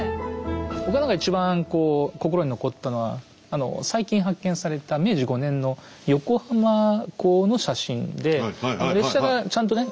僕は何か一番こう心に残ったのは最近発見された明治５年の横浜港の写真で列車がちゃんとね